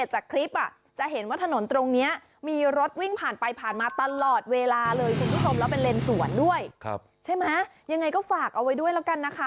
ใช่ไหมยังไงก็ฝากเอาไว้ด้วยแล้วกันนะคะ